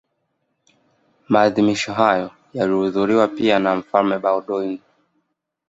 Maadhimisho hayo yalihudhuriwa pia na Mfalme Baudouin